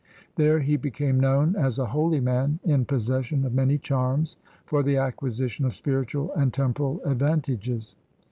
There he became known as a holy man in possession of many charms for the acquisition of spiritual and temporal advantages.